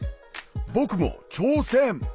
僕も挑戦！